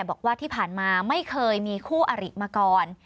บอกว่าที่ผ่านมาไม่เคยมีคู่อริมาก่อน